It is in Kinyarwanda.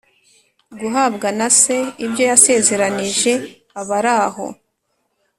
guhabwa na Se ibyo yasezeranije abaraho